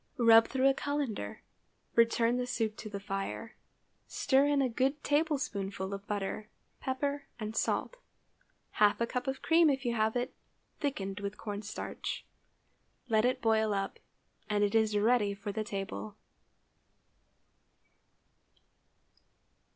Rub through a cullender, return the soup to the fire, stir in a good tablespoonful of butter, pepper, and salt, half a cup of cream if you have it, thickened with corn starch; let it boil up, and it is ready for the table.